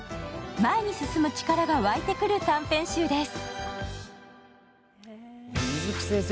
前に進む力が湧いてくる短編集です。